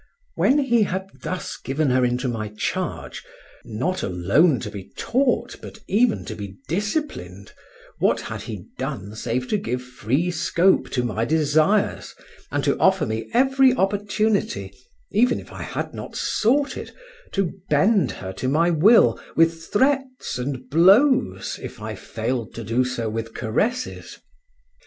When he had thus given her into my charge, not alone to be taught but even to be disciplined, what had he done save to give free scope to my desires, and to offer me every opportunity, even if I had not sought it, to bend her to my will with threats and blows if I failed to do so with caresses?